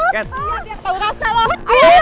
kamu rasa lo